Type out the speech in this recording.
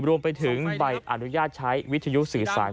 รวมไปถึงบ่อยอนุญาตใช้วิทยุสื่อด้วย